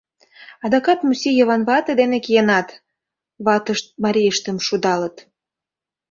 Адакат Муси Йыван вате дене киенат! — ватышт марийыштым шудалыт.